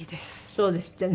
そうですってね。